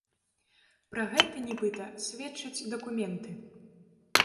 Пра гэта, нібыта, сведчаць дакументы.